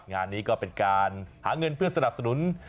งานนี้ก็เป็นการหาเงินเพื่อสนับสนุน